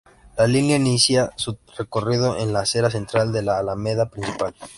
La línea inicia su recorrido en la acera central de la Alameda Principal.